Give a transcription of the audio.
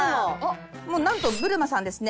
もうなんとぶるまさんですね